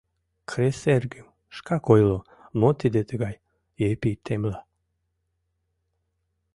— Кресэргым, шкак ойло, мо тиде тыгай, — Епи темла.